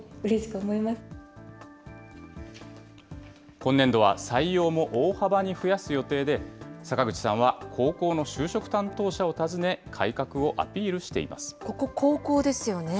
今年度は採用も大幅に増やす予定で、坂口さんは高校の就職担当者を訪ね、ここ、高校ですよね。